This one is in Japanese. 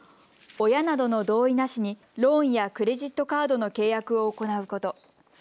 親などの同意なしにローンやクレジットカードの契約を行うこと。